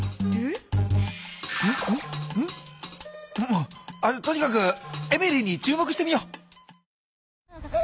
ああとにかくエメリーに注目してみよう。